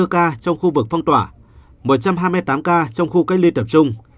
sáu mươi bốn ca trong khu vực phong tỏa một trăm hai mươi tám ca trong khu canh ly tập trung